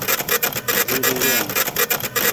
Rere wiwung.